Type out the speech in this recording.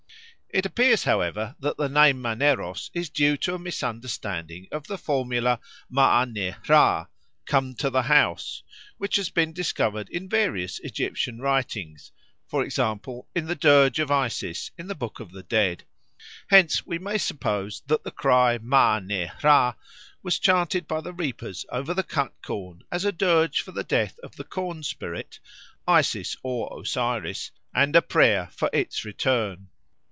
It appears, however, that the name Maneros is due to a misunderstanding of the formula maa ne hra, "Come to the house," which has been discovered in various Egyptian writings, for example in the dirge of Isis in the Book of the Dead. Hence we may suppose that the cry maa ne hra was chanted by the reapers over the cut corn as a dirge for the death of the corn spirit (Isis or Osiris) and a prayer for its return.